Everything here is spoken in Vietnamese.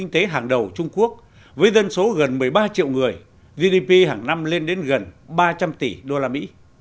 trung quốc với dân số gần một mươi ba triệu người gdp hàng năm lên đến gần ba trăm linh tỷ usd